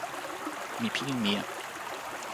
mi pilin mije.